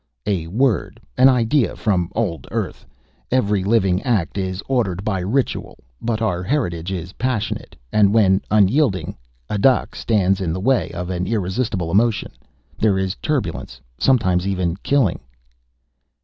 "A word, an idea from old Earth. Every living act is ordered by ritual. But our heritage is passionate and when unyielding adak stands in the way of an irresistible emotion, there is turbulence, sometimes even killing."